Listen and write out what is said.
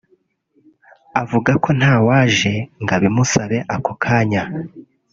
avuga ko ntawaje ngo abimusabe ako kanya